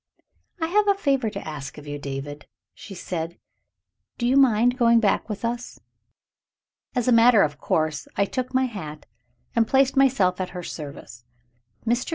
"I have a favor to ask of you, David," she said. "Do you mind going back with us?" As a matter of course I took my hat, and placed myself at her service. Mr.